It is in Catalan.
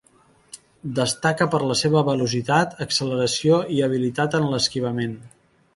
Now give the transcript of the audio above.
Destaca per la seva velocitat, acceleració i habilitat en l'esquivament.